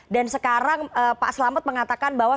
dan sekarang pak selamet mengatakan bahwa